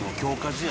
試合